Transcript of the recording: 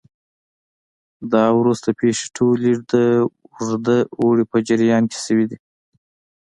دا او وروسته پېښې ټولې د اوږده اوړي په جریان کې شوې دي